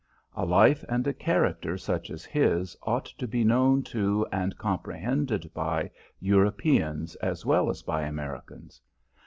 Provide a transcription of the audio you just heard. A life and a character such as his ought to be known to and comprehended by Europeans as well as by Americans.